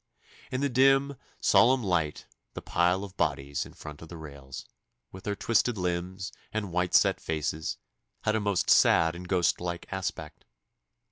In the dim, solemn light the pile of bodies in front of the rails, with their twisted limbs and white set faces, had a most sad and ghost like aspect.